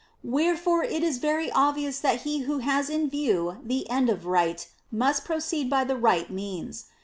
Wherefore it is very obvious that he who Has in view the end of Right must proceed by the right means.